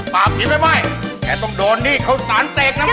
ปากผิดไม่ไหวแกต้องโดนหนี้เขาสารเจกน้ำผิดไร